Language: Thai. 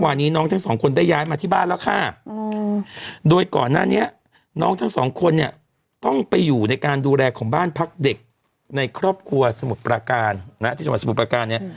วันนี้น้องทั้งสองคนได้ย้ายมาที่บ้านแล้วค่ะโดยก่อนหน้านี้น้องทั้งสองคนเนี่ยต้องไปอยู่ในการดูแลของบ้านพักเด็กในครอบครัวสมุทรประการนะที่จังหวัดสมุทรประการเนี่ย